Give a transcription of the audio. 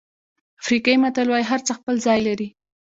افریقایي متل وایي هرڅه خپل ځای لري.